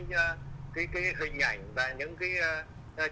cái hình ảnh và những cái